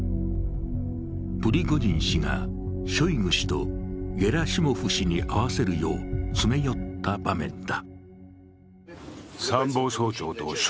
プリゴジン氏がショイグ氏とゲラシモフ氏に会わせるよう詰め寄った場面だ。